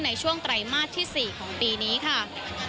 ในช่วงไตรมาสที่๔ของปีนี้ค่ะ